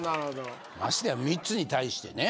ましてやミッツに対してね。